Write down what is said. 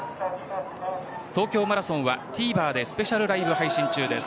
東京マラソンはＴＶｅｒでスペシャルライブ配信中です。